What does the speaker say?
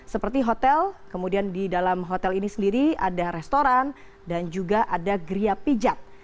seperti hotel kemudian di dalam hotel ini sendiri ada restoran dan juga ada geria pijat